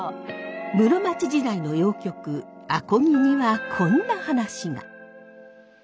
室町時代の謡曲「阿漕」にはこんな話が。